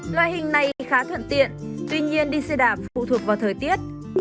loại hình này khá thuận tiện tuy nhiên đi xe đạp phụ thuộc vào thời tiết